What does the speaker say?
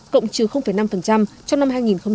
cộng trừ năm trong năm hai nghìn hai mươi